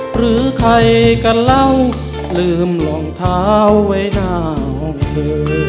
หรือใครกันแล้วลืมรองเท้าไว้หน้าห้องมือ